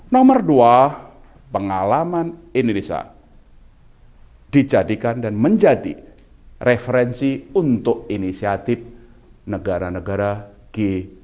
nomor dua pengalaman indonesia dijadikan dan menjadi referensi untuk inisiatif negara negara g dua puluh